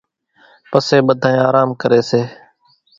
پسي ٻڌانئين آرام ڪري سي